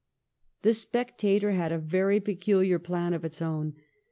* The Spectator ' had a very peculiar plan of its own.